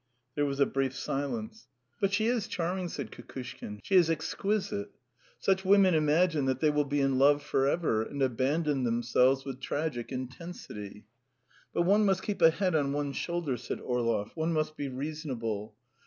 There was a brief silence. "But she is charming," said Kukushkin. "She is exquisite. Such women imagine that they will be in love for ever, and abandon themselves with tragic intensity." "But one must keep a head on one's shoulders," said Orlov; "one must be reasonable.